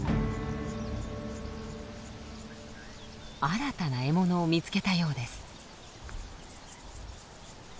新たな獲物を見つけたようです。